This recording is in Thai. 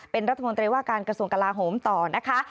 เป็นรัฐมนตรีว่าการกระทรวงกลาโหมต่อนะคะ